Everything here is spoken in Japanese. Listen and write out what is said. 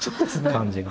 感じが。